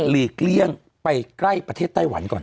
ลีกเลี่ยงไปใกล้ประเทศไต้หวันก่อน